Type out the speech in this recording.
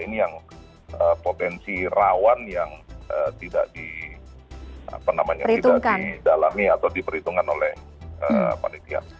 ini yang potensi rawan yang tidak di dalamnya atau diperhitungkan oleh politik